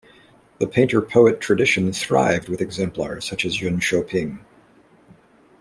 The painter-poet tradition thrived with exemplars such as Yun Shouping.